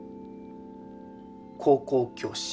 高校教師。